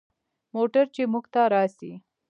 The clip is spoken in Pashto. موټر چې موږ ته راسي.